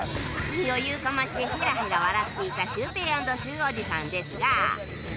余裕かましてヘラヘラ笑っていたシュウペイアンドシューおじさんですが